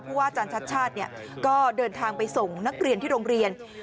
เพราะว่าอาจารย์ชัดชาติก็เดินทางไปส่งนักเรียนที่โรงเรียน